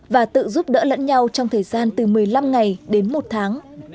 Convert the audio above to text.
và tự giúp đỡ lẫn nhau trong thời gian từ một mươi năm ngày đến một tháng